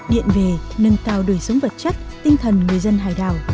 điện về nâng cao đời sống vật chất tinh thần người dân hải đảo